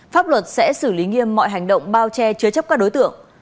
pháp luật sẽ xử lý nghiêm mọi hành động bao che chứa chấp các đối tượng